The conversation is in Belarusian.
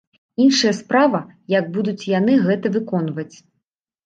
Іншая справа, як будуць яны гэта выконваць.